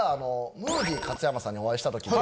ムーディ勝山さんにお会いした時に。